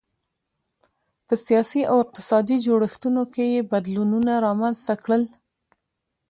په سیاسي او اقتصادي جوړښتونو کې یې بدلونونه رامنځته کړل.